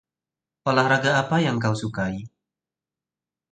Olahraga apa yang kau sukai?